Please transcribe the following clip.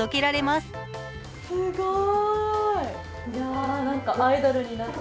すごーい。